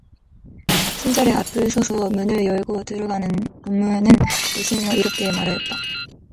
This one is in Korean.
신철의 앞을 서서 문을 열고 들어가는 동무는 웃으며 이렇게 말하였다.